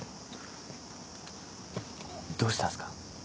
どうしたんすか？